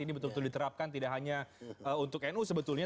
ini betul betul diterapkan tidak hanya untuk nu sebetulnya